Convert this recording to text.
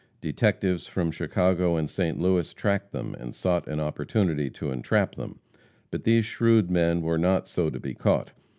Detectives from Chicago and St. Louis tracked them and sought an opportunity to entrap them. But these shrewd men were not so to be caught.